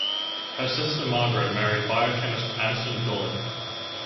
Her sister Margaret married biochemist Addison Gulick.